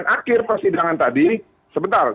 akhir persidangan tadi sebentar